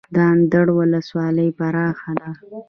د اندړ ولسوالۍ پراخه ده